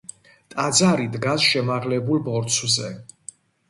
ტაძარი დგას შემაღლებულ ბორცვზე.